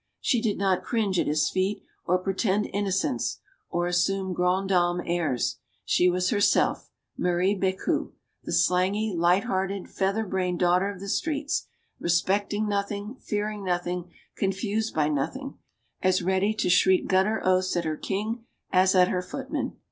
She did not cringe at his feet, or pretend innocence, or assume grande dame airs. She was herself, Marie Becu, the slangy, light hearted, feather brained daughter of the streets; respecting nothing, fearing nothing, confused by nothing as ready to shriek gutter oaths at her king as at her footman.